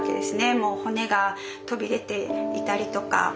もう骨が飛び出ていたりとか。